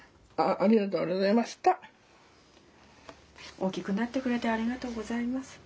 大きくなってくれてありがとうございます。